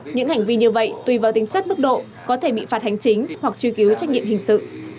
những hành vi như vậy tùy vào tính chất mức độ có thể bị phạt hành chính hoặc truy cứu trách nhiệm hình sự